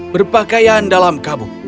berpakaian dalam kabuk